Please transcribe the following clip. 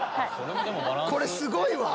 これすごいわ！